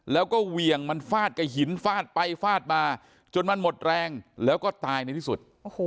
แล้วก็เหวี่ยงมันฟาดกับหินฟาดไปฟาดมาจนมันหมดแรงแล้วก็ตายในที่สุด